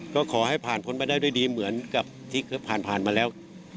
ก็ขอให้ผ่านพ้นไปได้ด้วยดีเหมือนกับที่เคยผ่านมาแล้ว